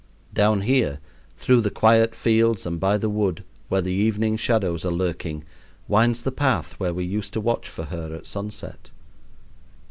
Down here, through the quiet fields and by the wood, where the evening shadows are lurking, winds the path where we used to watch for her at sunset.